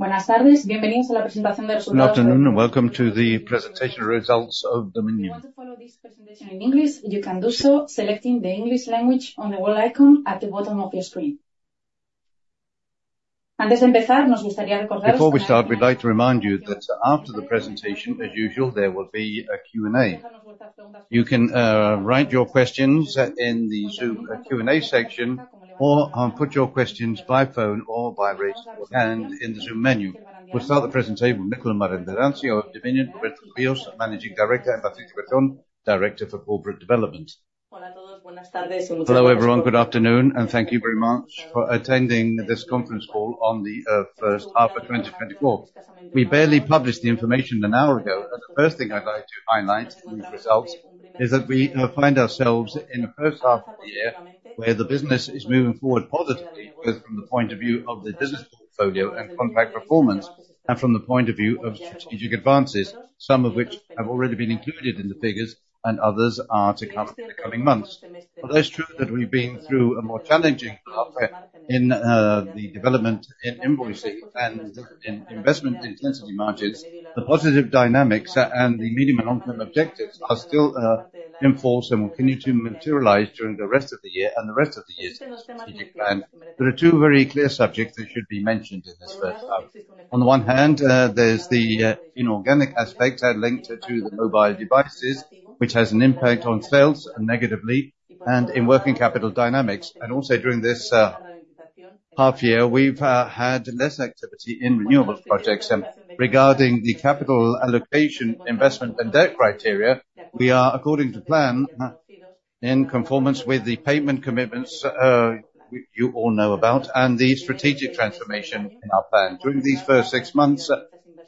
Good afternoon, and welcome to the presentation results of DOMINION. If you want to follow this presentation in English, you can do so selecting the English language on the world icon at the bottom of your screen. Before we start, we'd like to remind you that after the presentation, as usual, there will be a Q&A. You can write your questions in the Zoom Q&A section or put your questions by phone or by raise hand in the Zoom menu. We'll start the presentation with Mikel Barandiaran, DOMINION, Roberto Tobillas, Managing Director, and Patricia Berjón, Director for Corporate Development. Hello, everyone. Good afternoon and thank you very much for attending this conference call on the first half of 2024. We barely published the information an hour ago, and the first thing I'd like to highlight in these results is that we find ourselves in the first half of the year, where the business is moving forward positively, both from the point of view of the business portfolio and contract performance, and from the point of view of strategic advances, some of which have already been included in the figures and others are to come in the coming months. Although it's true that we've been through a more challenging half year in the development in invoicing and in investment intensity margins, the positive dynamics and the medium and long-term objectives are still in force and will continue to materialize during the rest of the year and the rest of the years in the strategic plan. There are two very clear subjects that should be mentioned in this first half. On the one hand, there's the inorganic aspect linked to the mobile devices, which has an impact on sales negatively and in working capital dynamics. And also, during this half year, we've had less activity in renewable projects. Regarding the capital allocation, investment, and debt criteria, we are according to plan in conformance with the payment commitments you all know about, and the strategic transformation in our plan. During these first six months,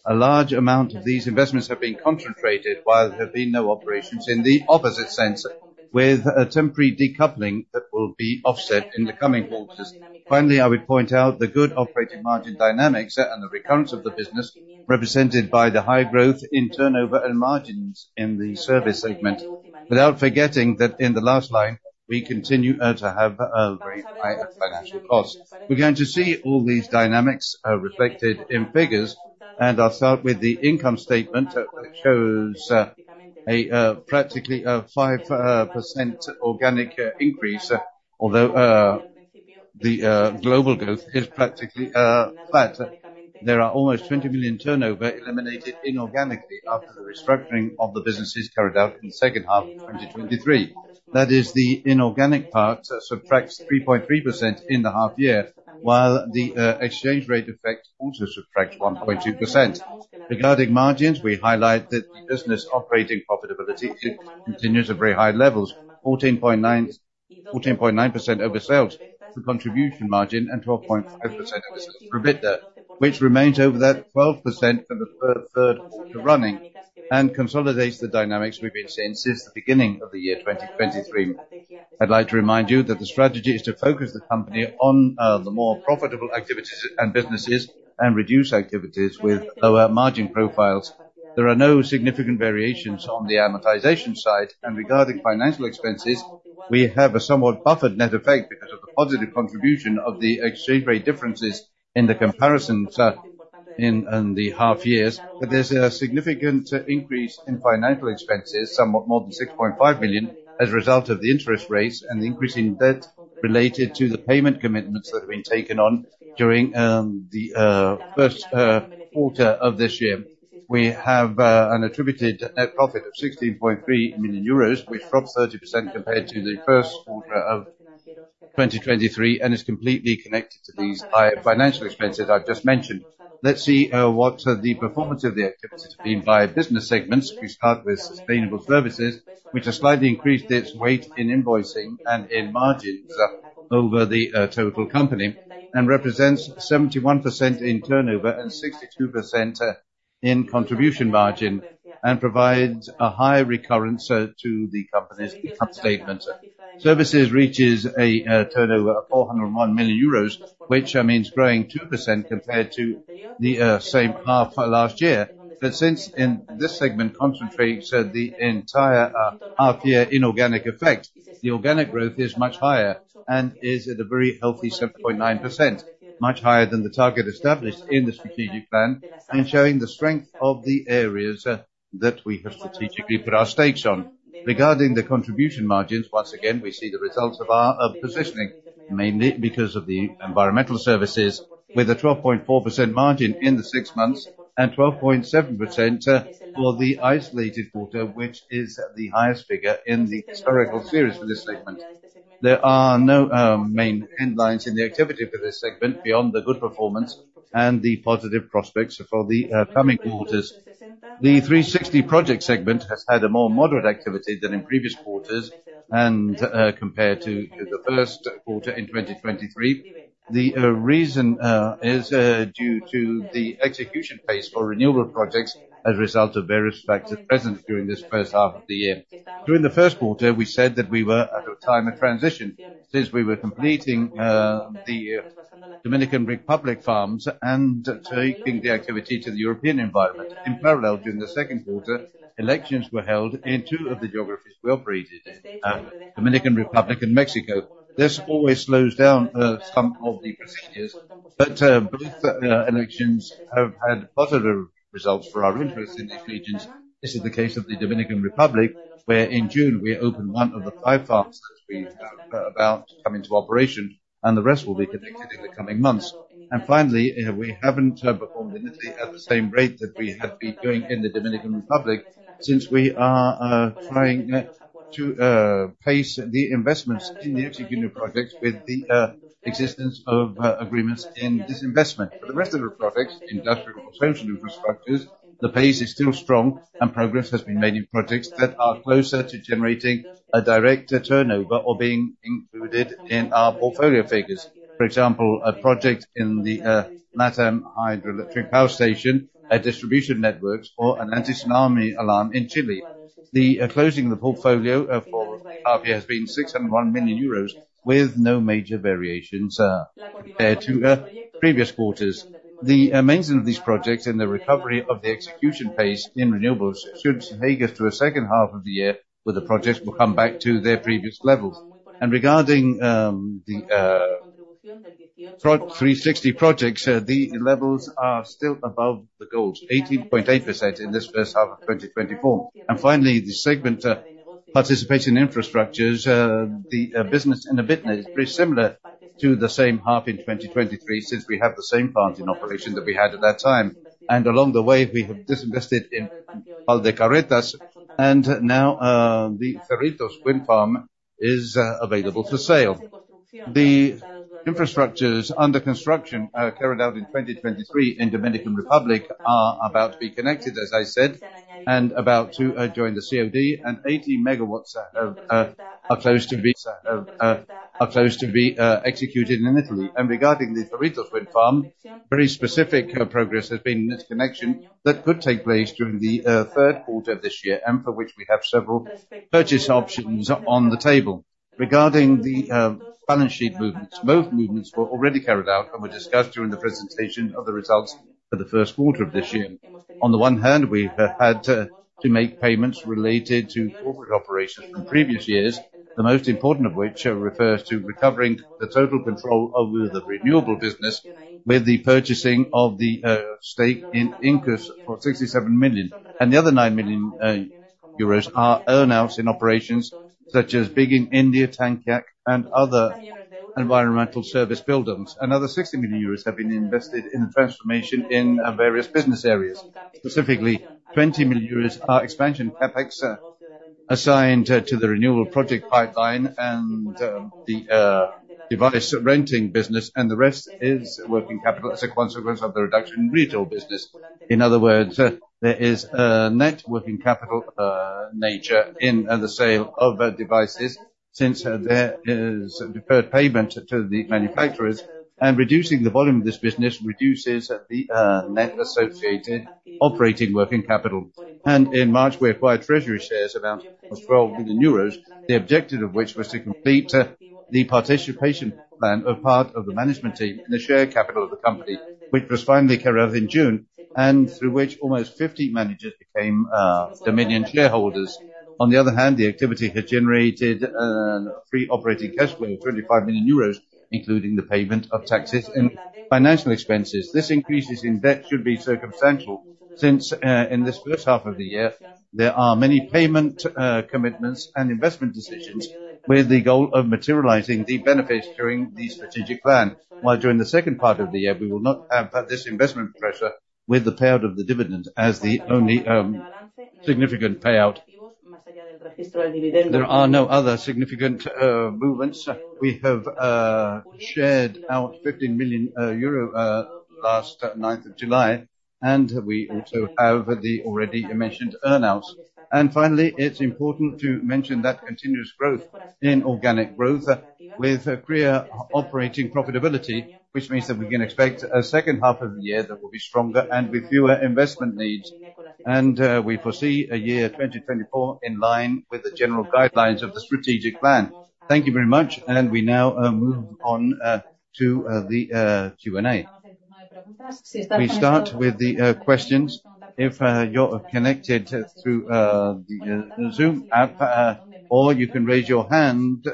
a large amount of these investments have been concentrated, while there have been no operations in the opposite sense, with a temporary decoupling that will be offset in the coming quarters. Finally, I would point out the good operating margin dynamics and the recurrence of the business, represented by the high growth in turnover and margins in the service segment, without forgetting that in the last line, we continue to have very high financial costs. We're going to see all these dynamics reflected in figures, and I'll start with the income statement, which shows practically a 5% organic increase. Although the global growth is practically flat, there are almost 20 million turnover eliminated inorganically after the restructuring of the businesses carried out in the second half of 2023. That is, the inorganic part subtracts 3.3% in the half year, while the exchange rate effect also subtracts 1.2%. Regarding margins, we highlight that the business operating profitability it continues at very high levels, 14.9% over sales, the contribution margin, and 12.5% over EBITDA, which remains over that 12% for the third quarter running, and consolidates the dynamics we've been seeing since the beginning of the year 2023. I'd like to remind you that the strategy is to focus the company on, the more profitable activities and businesses, and reduce activities with lower margin profiles. There are no significant variations on the amortization side, and regarding financial expenses, we have a somewhat buffered net effect because of the positive contribution of the exchange rate differences in the comparisons, in the half years. But there's a significant increase in financial expenses, somewhat more than 6.5 million, as a result of the interest rates and the increase in debt related to the payment commitments that have been taken on during the first quarter of this year. We have an attributed net profit of 16.3 million euros, which dropped 30% compared to the first quarter of 2023, and is completely connected to these higher financial expenses I've just mentioned. Let's see what the performance of the activities have been by business segments. We start with sustainable services, which has slightly increased its weight in invoicing and in margins over the total company, and represents 71% in turnover and 62% in contribution margin, and provides a high recurrence to the company's income statement. Services reaches a turnover of 401 million euros, which means growing 2% compared to the same half last year. But since in this segment concentrates the entire half year inorganic effect, the organic growth is much higher and is at a very healthy 7.9%, much higher than the target established in the strategic plan, and showing the strength of the areas that we have strategically put our stakes on. Regarding the contribution margins, once again, we see the results of our positioning, mainly because of the environmental services, with a 12.4% margin in the six months and 12.7% for the isolated quarter, which is the highest figure in the historical series for this segment. There are no main headlines in the activity for this segment beyond the good performance and the positive prospects for the coming quarters. The 360 Projects segment has had a more moderate activity than in previous quarters and compared to the first quarter in 2023. The reason is due to the execution pace for renewable projects as a result of various factors present during this first half of the year. During the first quarter, we said that we were at a time of transition, since we were completing the Dominican Republic farms and taking the activity to the European environment. In parallel, during the second quarter, elections were held in two of the geographies we operated in, Dominican Republic and Mexico. This always slows down some of the procedures, but both elections have had positive results for our interest in these regions. This is the case of the Dominican Republic, where in June, we opened one of the five farms that we about to come into operation, and the rest will be connected in the coming months. Finally, we haven't performed in Italy at the same rate that we had been doing in the Dominican Republic, since we are trying to pace the investments in the executive projects with the existence of agreements in this investment. For the rest of the projects, industrial potential infrastructures, the pace is still strong, and progress has been made in projects that are closer to generating a direct turnover or being included in our portfolio figures. For example, a project in the Latam hydroelectric power station, a distribution networks, or an anti-tsunami alarm in Chile. The closing the portfolio for RP has been 601 million euros, with no major variations compared to previous quarters. The maintenance of these projects and the recovery of the execution pace in renewables should take us to a second half of the year, where the projects will come back to their previous levels. Regarding the 360 Projects, the levels are still above the goals, 18.8% in this first half of 2024. Finally, the segment participation infrastructures, the business in [inaudible] pretty similar to the same half in 2023, since we have the same plant in operation that we had at that time. Along the way, we have disinvested in Valdecarretas, and now the Cerritos wind farm is available for sale. The infrastructures under construction carried out in 2023 in Dominican Republic are about to be connected, as I said, and about to join the COD, and 80 MW are close to be executed in Italy. Regarding the Cerritos wind farm, very specific progress has been in this connection that could take place during the third quarter of this year, and for which we have several purchase options on the table. Regarding the balance sheet movements, both movements were already carried out and were discussed during the presentation of the results for the first quarter of this year. On the one hand, we've had to make payments related to corporate operations from previous years, the most important of which refers to recovering the total control over the renewable business, with the purchasing of the stake in Incus for 67 million. And the other 9 million euros are earn-outs in operations such as Bygging India, Tankiac, and other environmental service build-ons. Another 60 million euros have been invested in the transformation in various business areas. Specifically, 20 million euros are expansion CapEx assigned to the renewable project pipeline and the device renting business, and the rest is working capital as a consequence of the reduction in retail business. In other words, there is a net working capital nature in the sale of our devices, since there is deferred payment to the manufacturers, and reducing the volume of this business reduces the net associated operating working capital. And in March, we acquired treasury shares, around almost 12 million euros, the objective of which was to complete the participation plan of part of the management team in the share capital of the company, which was finally carried out in June, and through which almost 50 managers became DOMINION shareholders. On the other hand, the activity had generated free operating cash flow of 25 million euros, including the payment of taxes and financial expenses. This increase in debt should be circumstantial, since in this first half of the year, there are many payments, commitments and investment decisions, with the goal of materializing the benefits during the strategic plan. While during the second part of the year, we will not have this investment pressure with the payout of the dividend as the only significant payout. There are no other significant movements. We have shared out 15 million euro last 9th of July, and we also have the already mentioned earn-outs. And finally, it's important to mention that continuous growth in organic growth, with a clear operating profitability, which means that we can expect a second half of the year that will be stronger and with fewer investment needs. We foresee a year 2024 in line with the general guidelines of the strategic plan. Thank you very much, and we now move on to the Q&A. We start with the questions. If you're connected through the Zoom app, or you can raise your hand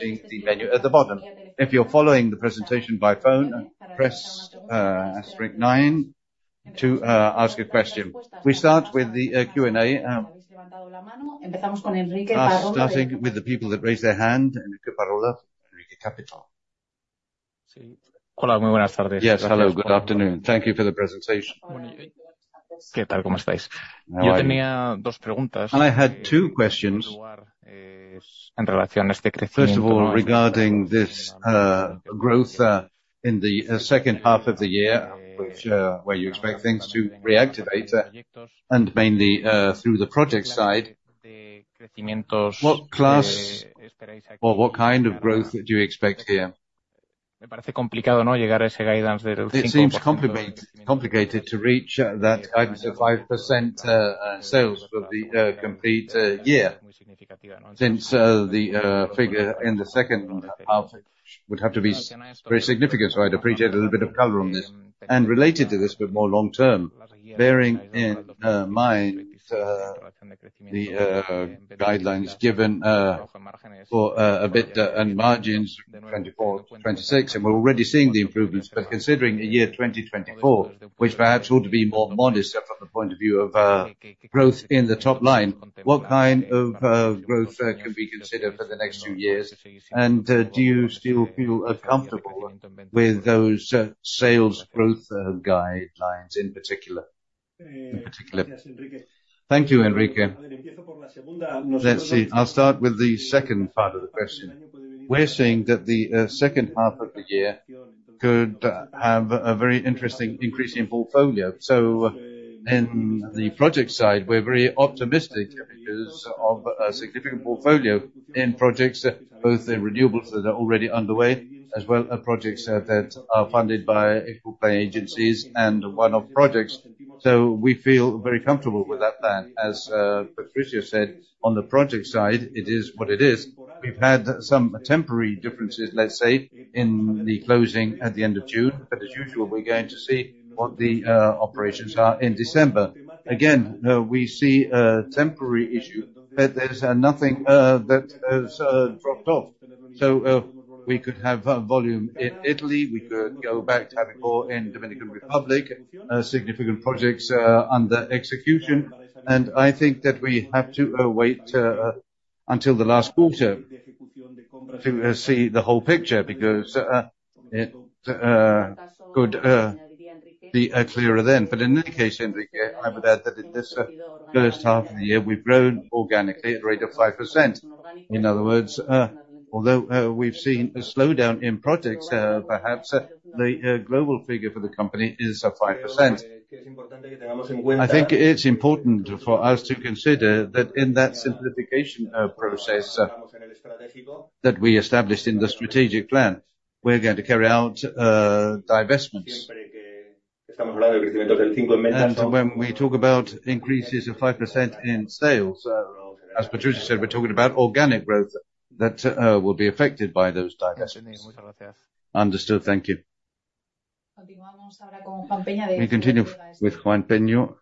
using the menu at the bottom. If you're following the presentation by phone, press asterisk nine to ask a question. We start with the Q&A. Starting with the people that raised their hand. [Enrique Parola, Enrique] Capital. Yes, hello, good afternoon. Thank you for the presentation. And I had two questions. First of all, regarding this growth in the second half of the year, which where you expect things to reactivate and mainly through the project side. What class or what kind of growth do you expect here? It seems complicated to reach that guidance of 5% sales for the complete year. Since the figure in the second half would have to be very significant, so I'd appreciate a little bit of color on this. And related to this, but more long term, bearing in mind the guidelines given for EBITDA and margins 2024, 2026, and we're already seeing the improvements. But considering the year 2024, which perhaps ought to be more modest from the point of view of growth in the top line, what kind of growth can we consider for the next two years? And do you still feel comfortable with those sales growth guidelines in particular? In particular. Thank you, Enrique. Let's see. I'll start with the second part of the question. We're saying that the second half of the year could have a very interesting increase in portfolio. So in the project side, we're very optimistic because of a significant portfolio in projects, both in renewables that are already underway, as well as projects that are funded by agencies and one-off projects. So we feel very comfortable with that plan. As Patricia said, on the project side, it is what it is. We've had some temporary differences, let's say, in the closing at the end of June, but as usual, we're going to see what the operations are in December. Again, we see a temporary issue, but there's nothing that has dropped off. So we could have volume in Italy, we could go back to have more in Dominican Republic, significant projects under execution. I think that we have to wait until the last quarter to see the whole picture, because it could be clearer then. But in any case, Enrique, I would add that in this first half of the year, we've grown organically at a rate of 5%. In other words, although we've seen a slowdown in projects, perhaps the global figure for the company is at 5%. I think it's important for us to consider that in that simplification process that we established in the strategic plan, we're going to carry out divestments. And so when we talk about increases of 5% in sales, as Patricia said, we're talking about organic growth that will be affected by those divestments. Understood. Thank you. We continue with Juan Peña.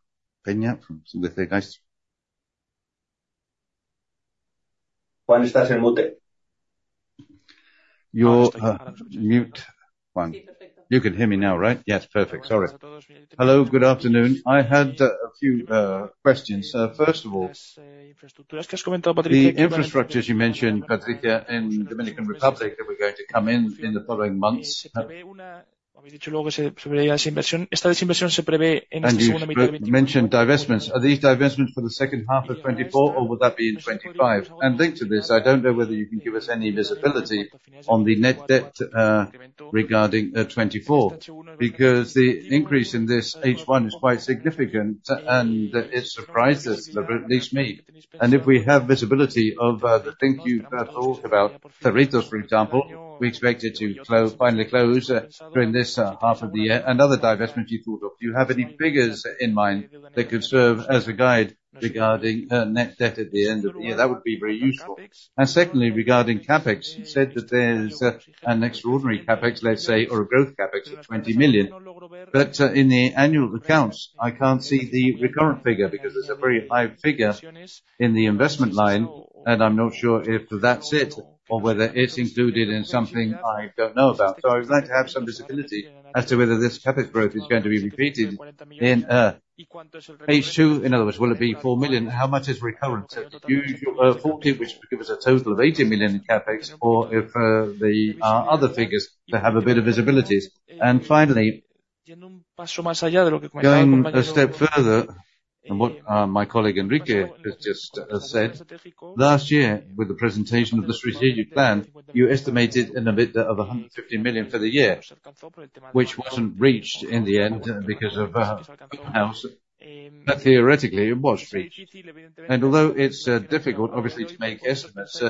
You're mute, Juan. You can hear me now, right? Yes. Perfect. Sorry. Hello, good afternoon. I had a few questions. First of all, the infrastructures you mentioned, Patricia, in Dominican Republic, that were going to come in in the following months. And you mentioned divestments. Are these divestments for the second half of 2024, or would that be in 2025? And linked to this, I don't know whether you can give us any visibility on the net debt regarding 2024, because the increase in this H1 is quite significant, and it surprised us, or at least me. And if we have visibility of the things you talked about, for example, we expect it to close, finally close, during this half of the year. Another divestment you thought of, do you have any figures in mind that could serve as a guide regarding net debt at the end of the year? That would be very useful. And secondly, regarding CapEx, you said that there's an extraordinary CapEx, let's say, or a growth CapEx of 20 million. But in the annual accounts, I can't see the recurrent figure, because there's a very high figure in the investment line, and I'm not sure if that's it or whether it's included in something I don't know about. So I would like to have some visibility as to whether this CapEx growth is going to be repeated in H2. In other words, will it be 4 million? How much is recurrent? 40 million, which would give us a total of 80 million in CapEx, or if the other figures to have a bit of visibility. And finally, going a step further on what my colleague, Enrique, has just said. Last year, with the presentation of the strategic plan, you estimated an EBITDA of 150 million for the year, which wasn't reached in the end because of, but theoretically, it was reached. And although it's difficult, obviously, to make estimates, do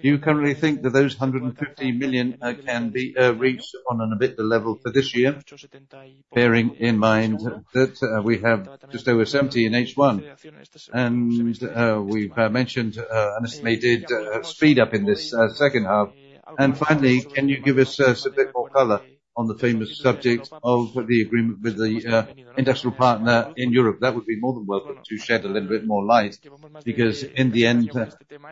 you currently think that those 150 million can be reached on an EBITDA level for this year, bearing in mind that we have just over 70 million in H1, and we've mentioned an estimated speed up in this second half? And finally, can you give us a bit more color on the famous subject of the agreement with the industrial partner in Europe? That would be more than welcome to shed a little bit more light, because in the end,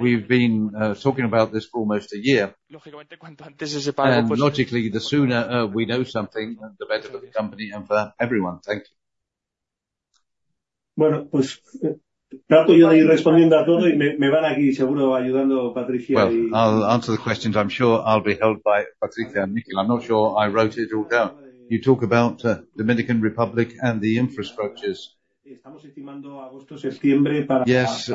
we've been talking about this for almost a year. And logically, the sooner we know something, the better for the company and for everyone. Thank you. Well, I'll answer the questions. I'm sure I'll be helped by Patricia and Mikel. I'm not sure I wrote it all down. You talk about Dominican Republic and the infrastructures. Yes,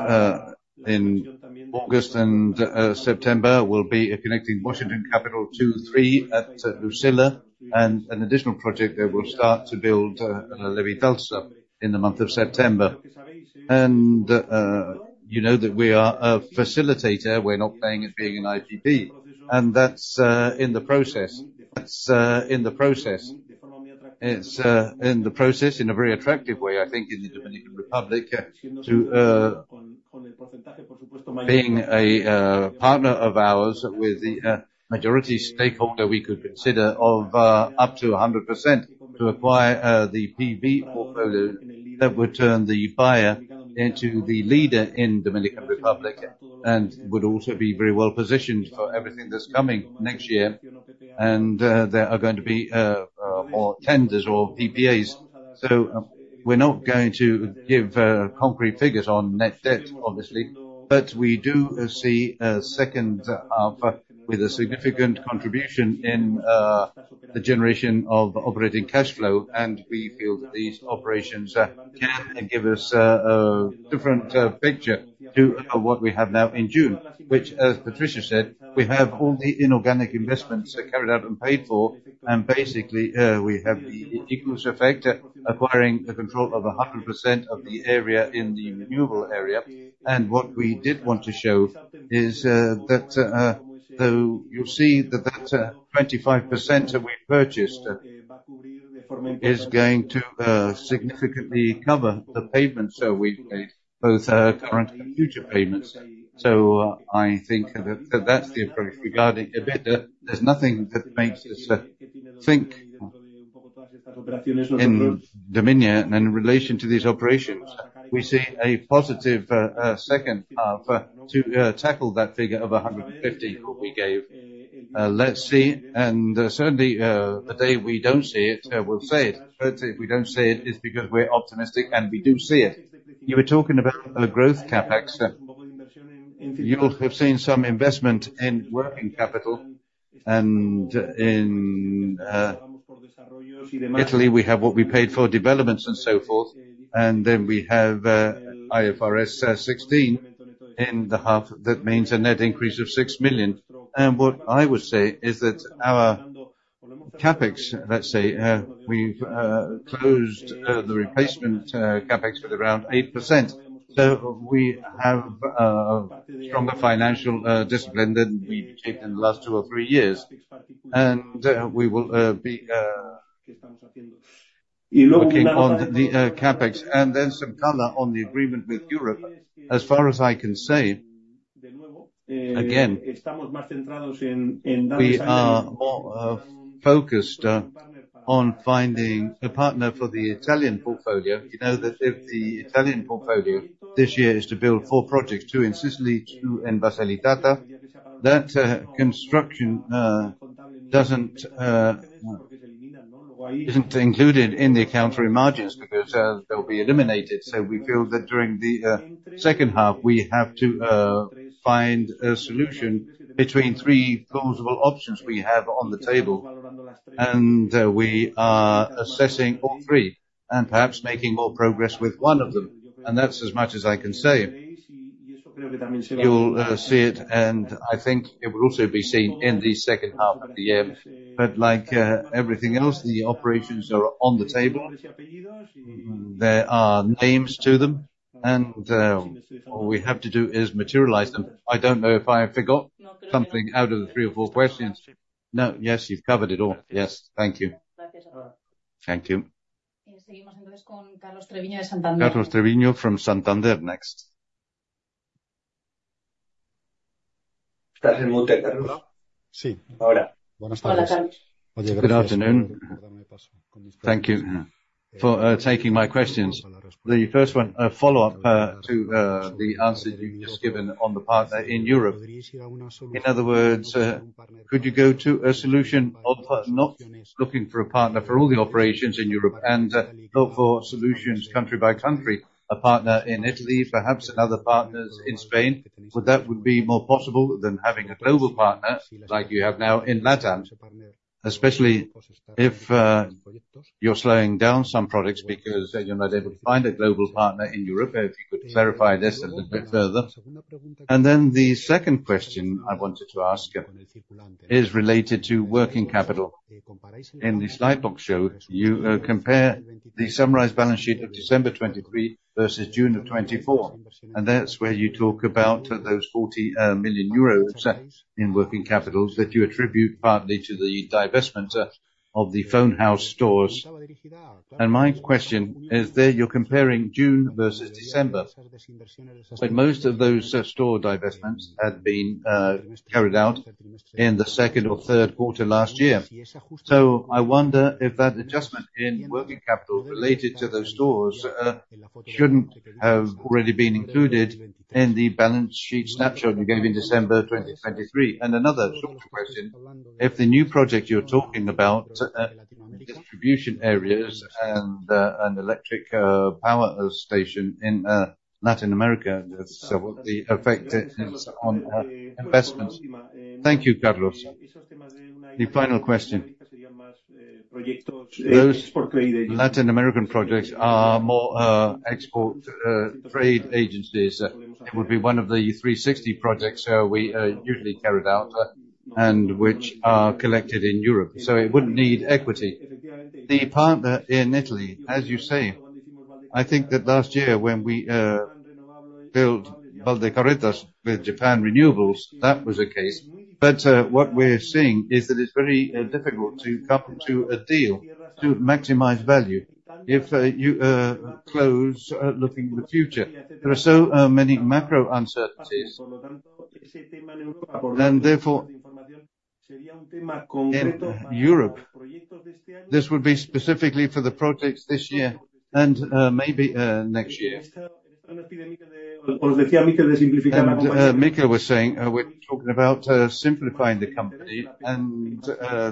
in August and September, we'll be connecting Washington Capital 2, 3 at [La Silla] and an additional project that will start to build La Victoria in the month of September. And you know that we are a facilitator. We're not playing as being an IPP, and that's in the process. That's in the process. It's in the process in a very attractive way, I think, in the Dominican Republic, being a partner of ours with the majority stakeholder we could consider of up to 100% to acquire the PV portfolio, that would turn the buyer into the leader in Dominican Republic, and would also be very well positioned for everything that's coming next year. And there are going to be more tenders or PPAs. So, we're not going to give concrete figures on net debt, obviously, but we do see a second half with a significant contribution in the generation of operating cash flow. We feel that these operations can give us a different picture to what we have now in June, which, as Patricia said, we have all the inorganic investments carried out and paid for, and basically we have the equity effect, acquiring the control of 100% of the area in the renewable area. What we did want to show is that so you'll see that that 25% that we purchased is going to significantly cover the payments that we've made, both current and future payments. So I think that that's the approach. Regarding EBITDA, there's nothing that makes us think in DOMINION, and in relation to these operations, we see a positive second half to tackle that figure of 150 million that we gave. Let's see, certainly, the day we don't see it, we'll say it. But if we don't say it, it's because we're optimistic, and we do see it. You were talking about the growth CapEx. You will have seen some investment in working capital, and in Italy, we have what we paid for developments and so forth, and then we have IFRS 16 in the half. That means a net increase of 6 million. And what I would say is that our CapEx, let's say, we've closed the replacement CapEx to around 8%. So we have a stronger financial discipline than we've taken in the last two or three years. And we will be working on the CapEx, and then some color on the agreement with Europe. As far as I can say, again, we are more focused on finding a partner for the Italian portfolio. You know that if the Italian portfolio this year is to build four projects, two in Sicily, two in Basilicata, that construction isn't included in the contribution margins, because they'll be eliminated. So we feel that during the second half, we have to find a solution between three plausible options we have on the table. And we are assessing all three, and perhaps making more progress with one of them, and that's as much as I can say. You'll see it, and I think it will also be seen in the second half of the year. But like everything else, the operations are on the table. There are names to them, and all we have to do is materialize them. I don't know if I forgot something out of the three or four questions. No. Yes, you've covered it all. Yes. Thank you. Thank you. Carlos Treviño from Santander, next. Good afternoon. Thank you for taking my questions. The first one, a follow-up, to the answer you've just given on the partner in Europe. In other words, could you go to a solution of not looking for a partner for all the operations in Europe, and go for solutions country by country, a partner in Italy, perhaps another partners in Spain? So that would be more possible than having a global partner, like you have now in Latin, especially if you're slowing down some products because you're not able to find a global partner in Europe. If you could clarify this a little bit further. And then the second question I wanted to ask is related to working capital. In the slide book show, you compare the summarized balance sheet of December 2023 versus June 2024, and that's where you talk about those 40 million euros in working capitals that you attribute partly to the divestment of the Phone House stores. And my question is: There, you're comparing June versus December, but most of those store divestments had been carried out in the second or third quarter last year. So I wonder if that adjustment in working capital related to those stores shouldn't have already been included in the balance sheet snapshot you gave in December 2023. And another short question: If the new project you're talking about, distribution areas and an electric power station in Latin America, that's what the effect is on investments? Thank you, Carlos. The final question. Those Latin American projects are more export trade agencies. It would be one of the 360 Projects we usually carried out and which are collected in Europe, so it wouldn't need equity. The partner in Italy, as you say, I think that last year, when we built Valdecarretas with Japan Renewables, that was a case. But what we're seeing is that it's very difficult to come to a deal to maximize value... if you close looking the future, there are so many macro uncertainties. And therefore, in Europe, this would be specifically for the projects this year and maybe next year. And Mika was saying, we're talking about simplifying the company, and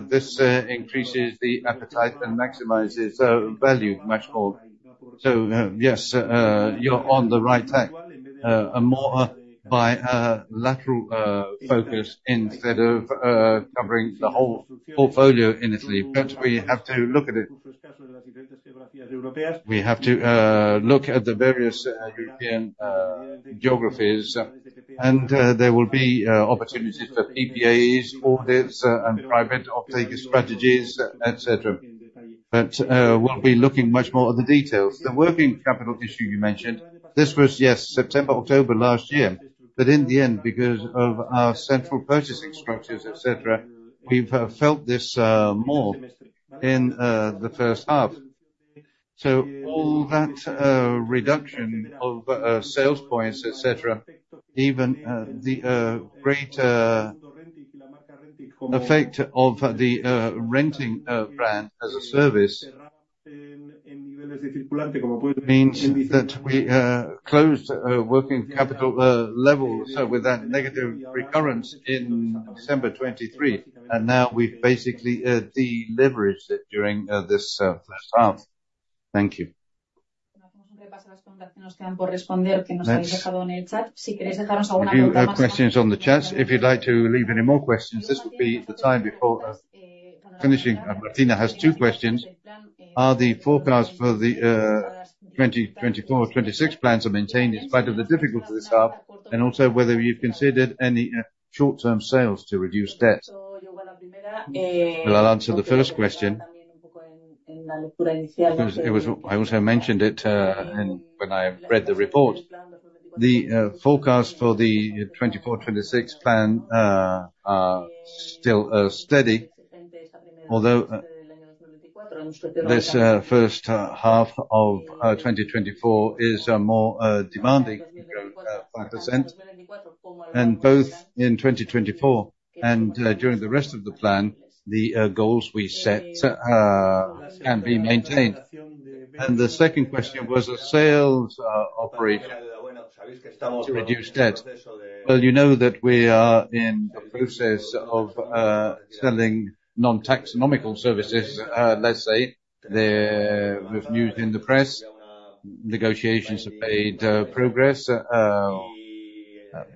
this increases the appetite and maximizes value much more. So, yes, you're on the right track. A more bilateral focus instead of covering the whole portfolio in Italy. But we have to look at it. We have to look at the various European geographies, and there will be opportunities for PPAs, audits, and private uptake strategies, et cetera. But we'll be looking much more at the details. The working capital issue you mentioned, this was, yes, September, October last year, but in the end, because of our central purchasing structures, et cetera, we've felt this more in the first half. So all that reduction of sales points, et cetera, even the greater effect of the renting brand as a service, means that we closed working capital level, so with that negative recurrence in December 2023, and now we've basically deleveraged it during this first half. Thank you. If you have questions on the chat, if you'd like to leave any more questions, this would be the time before finishing. And Martina has two questions: Are the forecasts for the 2024 to 2026 plans are maintained in spite of the difficulties half, and also whether you've considered any short-term sales to reduce debt? Well, I'll answer the first question. It was. I also mentioned it in when I read the report. The forecast for the 2024/2026 plan are still steady. Although this first half of 2024 is more demanding, 5%. And both in 2024 and during the rest of the plan, the goals we set can be maintained. And the second question was a sales operation to reduce debt. Well, you know that we are in the process of selling non-taxonomical services, let's say. There, we have news in the press, negotiations have made progress.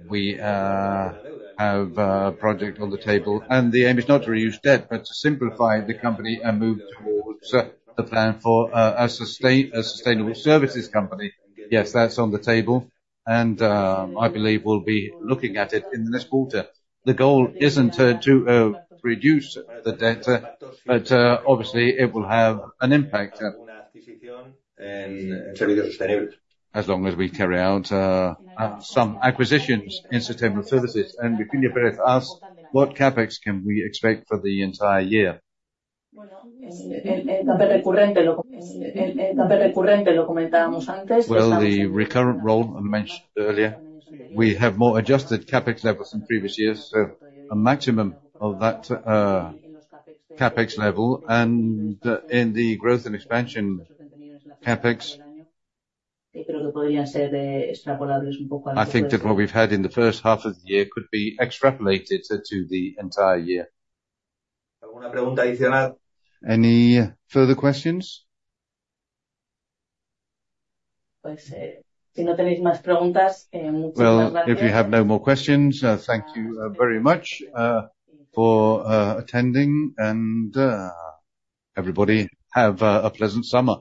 We have a project on the table, and the aim is not to reduce debt, but to simplify the company and move towards the plan for a sustainable services company. Yes, that's on the table, and I believe we'll be looking at it in the next quarter. The goal isn't to reduce the debt, but obviously it will have an impact. As long as we carry out some acquisitions in sustainable services. Victoria Pérez asked, what CapEx can we expect for the entire year? Well, the recurrent role I mentioned earlier, we have more adjusted CapEx levels than previous years. So a maximum of that CapEx level, and in the growth and expansion CapEx. I think that what we've had in the first half of the year could be extrapolated to the entire year. Any further questions? Well, if you have no more questions, thank you very much for attending, and everybody, have a pleasant summer.